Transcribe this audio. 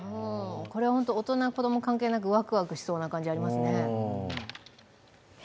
これは大人、子ども関係なくワクワクしそうな感じしますね。